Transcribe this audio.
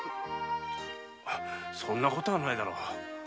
そそんなことはないだろう。